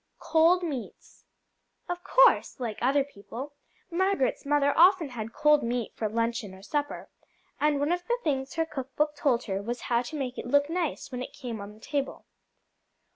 Cold Meats Of course, like other people, Margaret's mother often had cold meat for luncheon or supper, and one of the things her cook book told her was how to make it look nice when it came on the table.